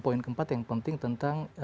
poin keempat yang penting tentang